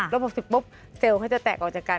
แล้ว๖๐ปุ๊บเซลล์เขาจะแตกออกจากกัน